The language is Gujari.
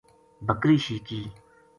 بکری شِیکی